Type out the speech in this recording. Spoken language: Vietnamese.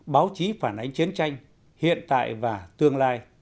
báo chí phản ánh chiến tranh hiện tại và tương lai